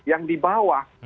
yang di bawah